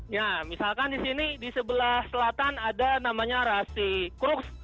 nah misalkan di sini di sebelah selatan ada namanya rahasi crux